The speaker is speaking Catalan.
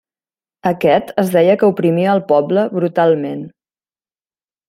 Aquest, es deia que oprimia el poble brutalment.